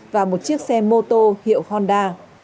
và một chiếc xe mô tô hiệu honda